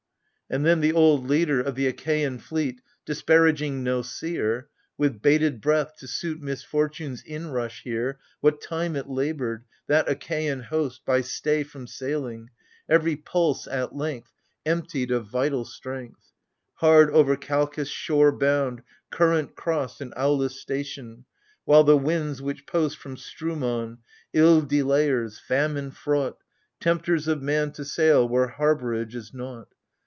AGAMEMNON, 17 And then the old leader of the Achaian fleet, *^ Disparaging no seer — With bated breath to suit misfortune's inrush here — (What time it laboured, that Achaian host, By stay from sailing, — every pulse at length Emptied of vital strength, — Hard over Kalchis shore bound, current crost In Aulis station, — while the winds which post From Strumon, ill delayers, famine fraught. Tempters of man to sail where harbourage is naught.